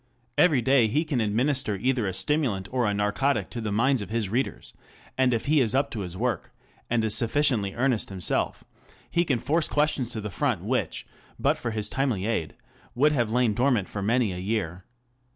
Every day he can administer either a stimulant or a narcotic to the minds of his readers ; and if he is up to his work and is sufficiently earnest himself, he can force questions to the front which, but for his timely aid, would have lain dormant for many a year.